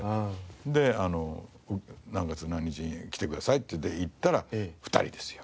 で何月何日に来てくださいってで行ったら２人ですよ。